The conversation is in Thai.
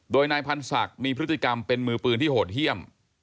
โดยนายพันธ์ศักดิ์มีพฤติกรรมเป็นมือปืนที่โหดเยี่ยม